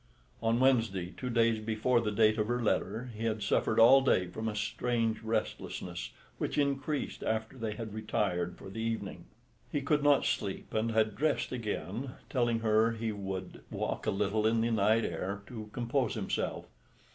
On Wednesday, two days before the date of her letter, he had suffered all day from a strange restlessness, which increased after they had retired for the evening. He could not sleep and had dressed again, telling her he would walk a little in the night air to compose himself.